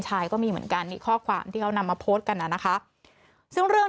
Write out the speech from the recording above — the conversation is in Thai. ก็มีเหมือนกันนี่ข้อความที่เขานำมาโพสต์กันน่ะนะคะซึ่งเรื่อง